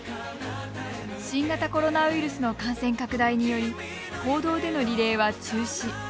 新型コロナウイルスの感染拡大により公道でのリレーは中止。